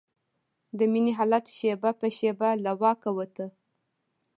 د مينې حالت شېبه په شېبه له واکه وته.